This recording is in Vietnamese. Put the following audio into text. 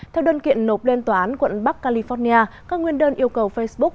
theo đơn kiện nộp lên tòa án quận bắc california các nguyên đơn yêu cầu facebook